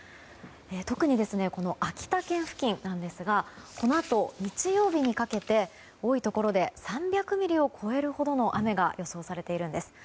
特に秋田県付近なんですがこのあと日曜日にかけて多いところで３００ミリを超えるほどの雨が予想されているんです。